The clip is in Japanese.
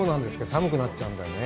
寒くなっちゃうんだよね？